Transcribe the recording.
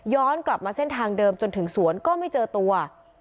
กลับมาเส้นทางเดิมจนถึงสวนก็ไม่เจอตัว